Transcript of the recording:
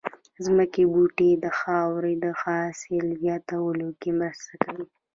ځمکې بوټي د خاورې د حاصل زياتولو کې مرسته کوي